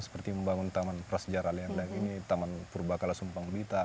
seperti membangun taman prasejarah leandang ini taman purba kala sumpang budita